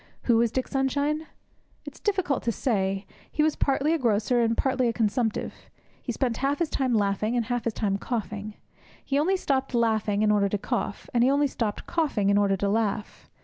Who was Dick Sunshine? It is difficult to say. He was partly a grocer and party a consumptive. He spent half his time laughing, and half his time coughing. He only stopped laughing in order to cough; and he only stopped coughing in order to laugh.